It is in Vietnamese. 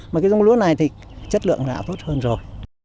mà cái giống lúa này thì chất lượng là tốt hơn rồi